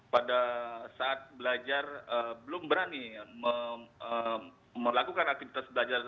pada saat belajar belum berani melakukan aktivitas belajar